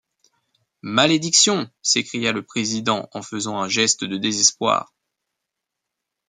Malédiction! s’écria le président en faisant un geste de désespoir.